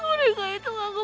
mereka jahat ya sama gue